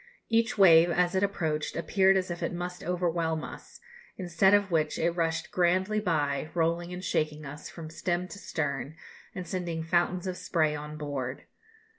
Each wave, as it approached, appeared as if it must overwhelm us, instead of which it rushed grandly by, rolling and shaking us from stem to stern, and sending fountains of spray on board.